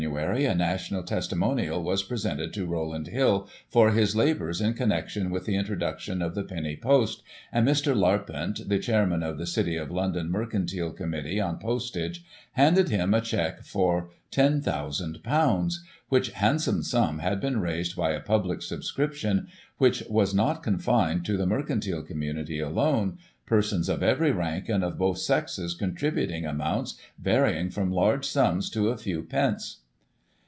a National Testimonial was presented to Row land Hill for his labours in connection with the introduction of the Penny Post, and Mr. Larpent, the Chairman of the City of London Mercantile Committee on Postage, handed him 17 Digiti ized by Google 258 GOSSIP. [184s a cheque for ;£" 10,000, which handsome sum had been raised by a public subscription, which was not confined to the mercan tile community alone, persons of every rank, and of both sexes, contributing amounts varying from large sums to a few pence.